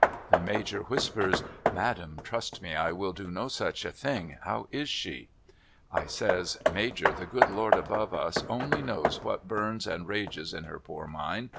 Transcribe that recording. The Major whispers, ' Madam, trust me I will do no such a thing. How is she ?' I says ' Major the good Lord above us only knows what burns and rages in her poor mind.